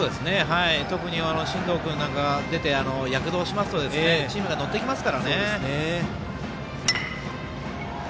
特に進藤君なんかが出て躍動しますとチームが乗ってきますからね。